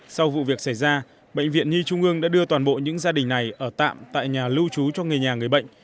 sau vụ việc xảy ra bệnh viện nhi trung ương đã đưa toàn bộ những gia đình này ở tạm tại nhà lưu trú cho người nhà người bệnh